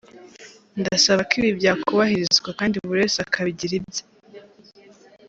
Ndasaba ko ibi byakubahirizwa kandi buri wese akabigira ibye.